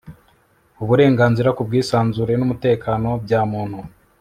Uburenganzira ku bwisanzure n umutekano bya Muntu